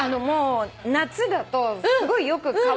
夏だとすごいよく乾く。